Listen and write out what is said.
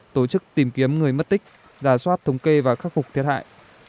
tổ chức tìm kiếm người mất tích giả soát thống kê và khắc phục thiệt hại